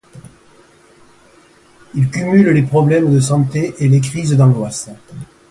Il cumule les problèmes de santé et les crises d'angoisse.